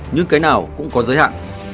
nhưng cái nào cũng có giới hạn